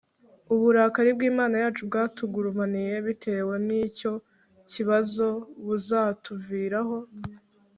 uburakari bw Imana yacu bwatugurumaniye bitewe n icyo kibazo buzatuviraho